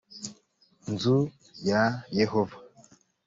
nzu ya yehova